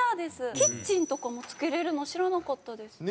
キッチンとかも付けられるの知らなかったです。